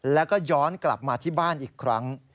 แล้วก็ย้อนกลับมาที่บ้านอีกครั้ง